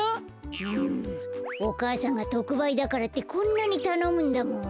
うんお母さんがとくばいだからってこんなにたのむんだもん。